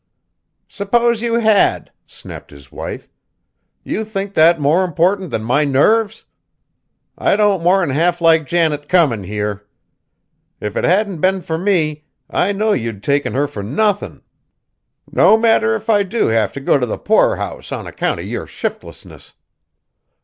"S'pose you had!" snapped his wife; "you think that more important than my nerves? I don't more'n half like Janet comin' here. If it hadn't been fur me, I know you'd taken her fur nothin'! No matter if I do have t' go t' the poorhouse on account of yer shiftlessness.